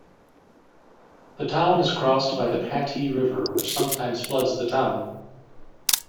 The town is crossed by the Pati River, which sometimes floods the town.